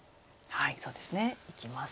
そうですね。いきます。